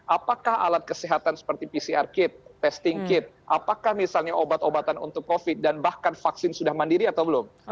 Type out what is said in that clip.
apakah alat kesehatan seperti pcr kit testing kit apakah misalnya obat obatan untuk covid dan bahkan vaksin sudah mandiri atau belum